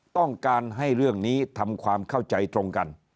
ต้องการให้เรื่องนี้ทำความเข้าใจตรงกัน